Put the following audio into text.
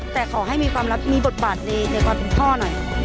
แต่ขอให้มีบทบาทในความคุณพ่อหน่อย